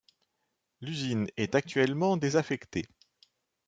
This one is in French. L'usine est actuellement désaffectée.